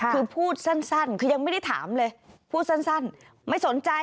คือพูดสั้นคือยังไม่ได้ถามเลยพูดสั้นไม่สนใจ